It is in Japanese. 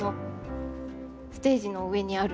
ステージの上にあるもの。